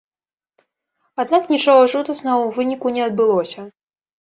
Аднак нічога жудаснага ў выніку не адбылося.